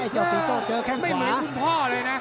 ไม่เหมือนฮ่วงพ่อเลยจ้า